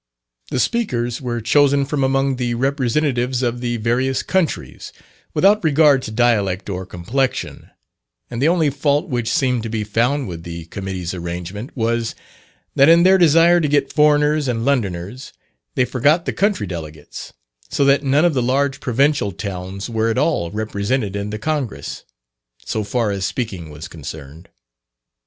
The speakers were chosen from among the representatives of the various countries, without regard to dialect or complexion; and the only fault which seemed to be found with the Committee's arrangement was, that in their desire to get foreigners and Londoners, they forgot the country delegates, so that none of the large provincial towns were at all represented in the Congress, so far as speaking was concerned.